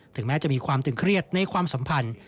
แม้จะมีความตึงเครียดในความสัมพันธ์